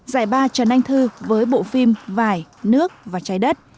giải ba trần anh thư với bộ phim vải nước và trái đất